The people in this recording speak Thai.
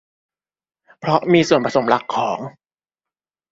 เพราะมีส่วนผสมหลักของ